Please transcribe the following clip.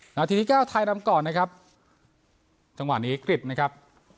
นาทีที่เก้าไทยนำก่อนนะครับจังหวะนี้กริจนะครับ